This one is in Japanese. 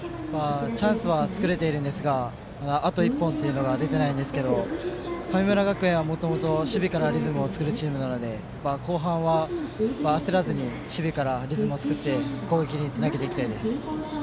チャンスは作れてるんですがあと１本というのが出ていないんですが神村学園はもともと守備からリズムを作るチームなので後半は焦らずに守備からリズムを作って攻撃につなげていきたいです。